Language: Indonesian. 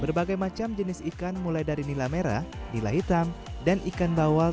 berbagai macam jenis ikan mulai dari nila merah nila hitam dan ikan bawal